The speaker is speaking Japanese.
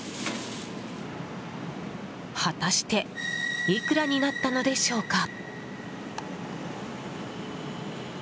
果たしていくらになったのでしょうか。